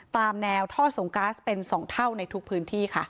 ตามแนวท่อส่งก๊าซเป็น๒เท่าในทุกพื้นที่ค่ะ